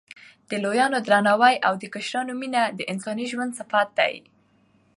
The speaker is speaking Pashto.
د لویانو درناوی او د کشرانو مینه د انساني ژوند صفت دی.